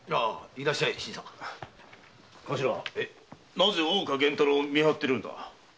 なぜ大岡源太郎を見張ってるんだ。